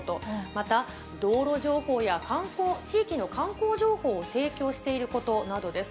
また、道路情報や地域の観光情報を提供していることなどです。